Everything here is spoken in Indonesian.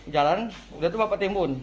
jalan udah itu bapak timun